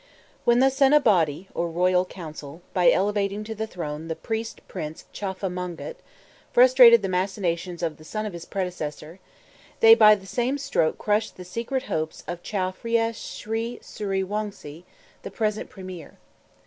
When the Senabawdee, or Royal Council, by elevating to the throne the priest prince Chowfa Mongkut, frustrated the machinations of the son of his predecessor, they by the same stroke crushed the secret hopes of Chow Phya Sri Sury Wongse, the present premier.